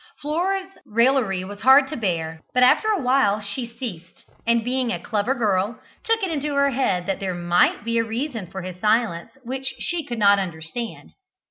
Flora's raillery was hard to bear, but after a while she ceased, and being a clever girl, took it into her head that there might be a reason for his silence which she could not understand.